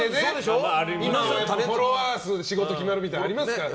フォロワー数で仕事が決まるみたいなのありますからね。